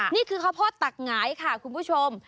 นี่คือข้าวโพดตักหงายค่ะคุณผู้ชม